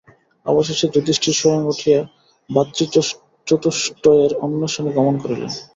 অবশেষে যুধিষ্ঠির স্বয়ং উঠিয়া ভাতৃচতুষ্টয়ের অন্বেষণে গমন করিলেন।